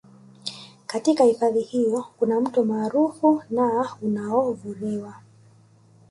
Katika hifadhi hiyo kuna Mto maarufu na unaovuriwa